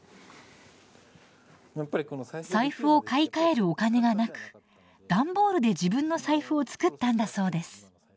財布を買い替えるお金がなく段ボールで自分の財布を作ったんだそうです。